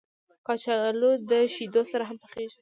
کچالو له شیدو سره هم پخېږي